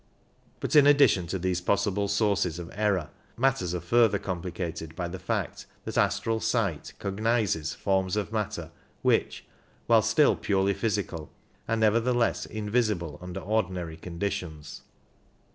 But in addition to these possible sources of error matters are further com plicated by the fact that astral sight cognizes forms of matter which, while still purely physical, are nevertheless invisible under ordinary conditions.